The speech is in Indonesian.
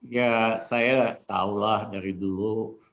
ya saya tahulah dari dulu